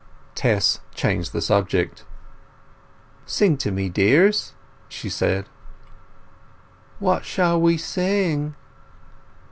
Tess changed the subject. "Sing to me, dears," she said. "What shall we sing?"